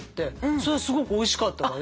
それすごくおいしかったわよ。